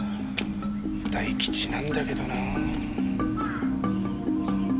大吉なんだけどなぁ。